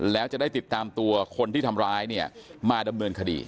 แล้วจะได้ติดตามตัวคนที่ทำร้ายเนี่ยมาดำเนินคดี